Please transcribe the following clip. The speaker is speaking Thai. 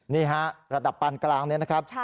นี่ฮะระดับปานกลางเนี่ยนะครับ